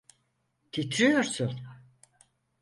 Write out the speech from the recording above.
Titriyorsun.